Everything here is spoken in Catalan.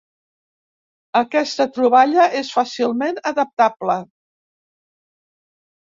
Aquesta troballa és fàcilment adaptable.